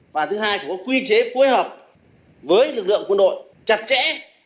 và thứ hai phải có quy chế phối hợp với lực lượng quân đội chặt chẽ